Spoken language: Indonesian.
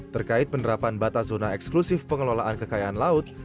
terkait penerapan batas zona eksklusif pengelolaan kekayaan laut